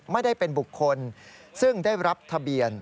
ไม่ได้เป็นบุคคลซึ่งได้รับทะเบียน